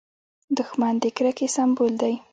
دښمن د کرکې سمبول دی